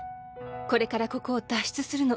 これからここを脱出するの。